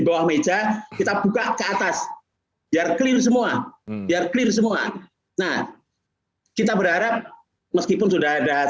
bawah meja kita buka ke atas biar clear semua biar clear semua nah kita berharap meskipun sudah ada